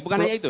bukan hanya itu